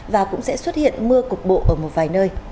và cũng sẽ xuất hiện mưa cục bộ ở một vài nơi